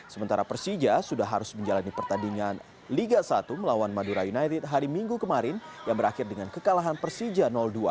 sementara persija sudah harus menjalani pertandingan liga satu melawan madura united hari minggu kemarin yang berakhir dengan kekalahan persija dua